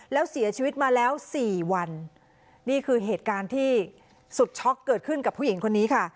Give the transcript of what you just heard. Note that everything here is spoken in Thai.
แล้วเสียชีวิตมาแล้วสี่วันนี่คือเหตุการณ์ที่สุดช็อกเกิดขึ้นกับผู้หญิงคนนี้ค่ะ